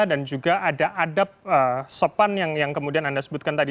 juga ada adab sopan yang kemudian anda sebutkan tadi